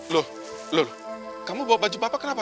lul lul kamu bawa baju bapak kenapa